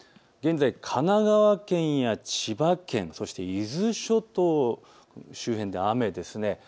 現在、神奈川県や千葉県、そして伊豆諸島周辺で雨です。